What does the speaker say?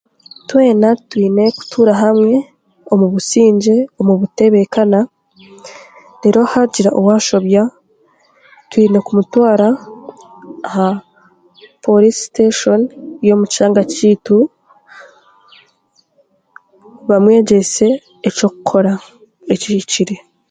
Twena twine kutuura hamwe omu busingye omu butebeekana deeru haagira owaashobya twine kumutwara aha poriisi siteeshoni y'omu kyanga kyaitu bakamwegyesa eky'okukora ekihikire